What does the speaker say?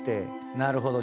なるほど。